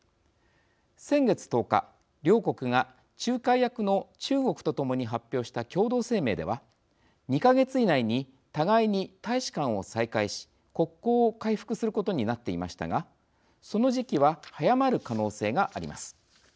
先月１０日両国が仲介役の中国と共に発表した共同声明では２か月以内に互いに大使館を再開し国交を回復することになっていましたがその時期は早まる可能性があります。